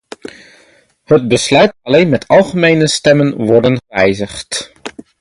Het besluit kan alleen met algemene stemmen worden gewijzigd.